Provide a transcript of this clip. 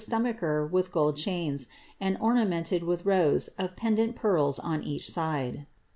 Tt Blomacher with gold chains, and ornamented with rows of pendent Is on each side.